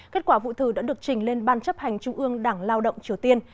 kết quả vụ thử đã được trình lên ban chấp hành trung ương đảng lao động triều tiên